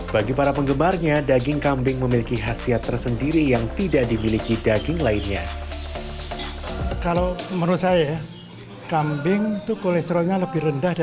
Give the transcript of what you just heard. bagi para penggemarnya daging kambing memiliki khasiat tersendiri yang tidak dimiliki daging lainnya